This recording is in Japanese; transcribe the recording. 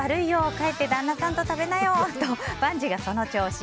帰って旦那さんと食べなよと万事がその調子。